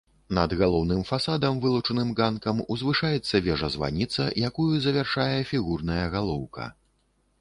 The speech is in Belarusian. Над галоўным фасадам, вылучаным ганкам, узвышаецца вежа-званіца, якую завяршае фігурная галоўка.